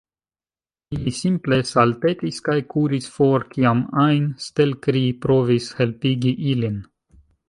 Ili simple saltetis kaj kuris for kiam ajn Stelkri provis helpigi ilin.